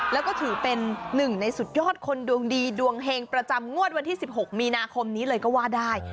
แล้วก็ถือเป็นหนึ่งในสุดยอดคนดวงดีดวงเฮงประจำงวดวันที่๑๖มีนาคมนี้เลยก็ว่าได้